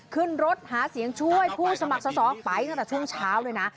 ขึ้นรถหาเสียงช่วยผู้สมัครสอสอไปตั้งแต่ช่วงเช้าเลยนะ